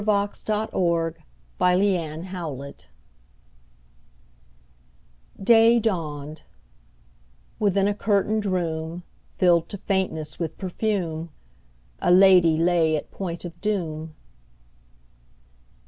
W X . Y Z History of a Life DAY dawned: within a curtained room, Filled to faintness with perfume, A lady lay at point of doom.